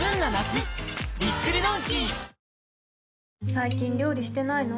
最近料理してないの？